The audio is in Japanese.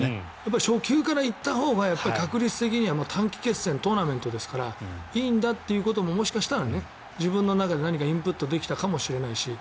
初球から行ったほうが確率的には短期決戦トーナメントですからいいんだということももしかしたら自分の中で何かインプットできたかもしれないし。